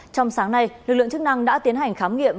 trong sáng nay lực lượng chức năng đã tiến hành khám nghiệm